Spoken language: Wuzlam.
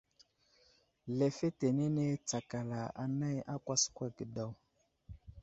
Lefetenene tsakala anay a kwaskwa ge daw.